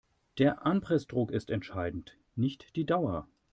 Der Anpressdruck ist entscheidend, nicht die Dauer.